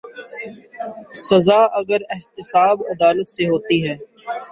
سزا اگر احتساب عدالت سے ہوتی ہے۔